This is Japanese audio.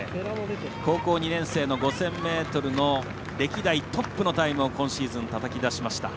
高校２年生の５０００ｍの歴代トップのタイムを今シーズンたたき出しました。